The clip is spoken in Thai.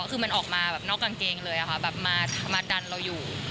คือมันออกมานอกกางเกงเลยมาดันเราอยู่